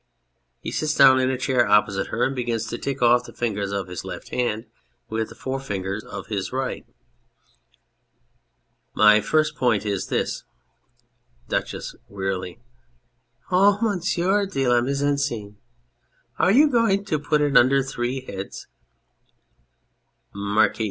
(He sits down in a chair opposite her and begins to tick off the ^fingers of his left hand with the forefinger of his right.') My first point is this DUCHESS (wearily). Oh, Monsieur de la Mise en Scene, are you going to put it under three heads ? MARQUIS.